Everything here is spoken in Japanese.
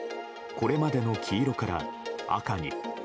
これまでの黄色から赤に。